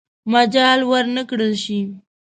مجال ورنه کړل شي.